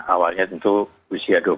awalnya tentu usia